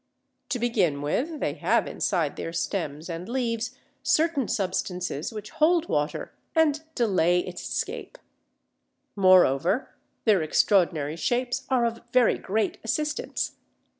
To begin with, they have inside their stems and leaves certain substances which hold water and delay its escape. Moreover their extraordinary shapes are of very great assistance.